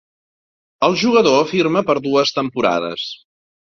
El jugador firma per dues temporades.